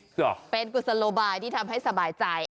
เหรอเป็นกุศโลบายที่ทำให้สบายใจ